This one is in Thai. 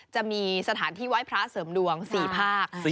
จะมีสถานที่ไหว้พระเสริมดวง๔ภาค